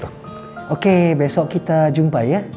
oke besok kita jumpai ya